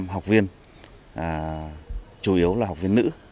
hai mươi năm học viên chủ yếu là học viên nữ